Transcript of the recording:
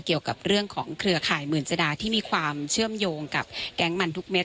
เกี่ยวกับเรื่องของเครือข่ายหมื่นจดาที่มีความเชื่อมโยงกับแก๊งมันทุกเม็ด